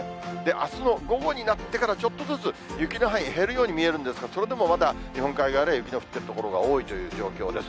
あすの午後になってからちょっとずつ雪の範囲、減るように見えるんですが、それでもまだ日本海側では雪の降っている所が多いという状況です。